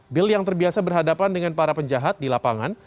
bil yang terbiasa berhadapan dengan para penjahat di lapangan